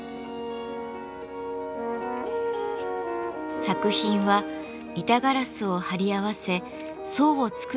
作品は板ガラスを貼り合わせ層を作ることから始めます。